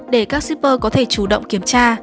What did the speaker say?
để các shipper có thể chủ động kiểm tra